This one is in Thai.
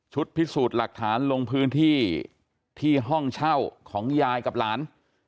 พิสูจน์หลักฐานลงพื้นที่ที่ห้องเช่าของยายกับหลาน